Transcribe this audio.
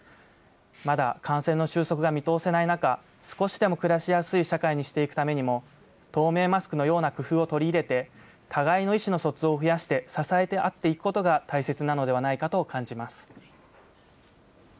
まだ感染の終息が見通せない中、少しでも暮らしやすい社会にしていくためにも、透明マスクのような工夫を取り入れて、互いの意思の疎通を増やして支え合っていくことが大切なのではないかと感じます。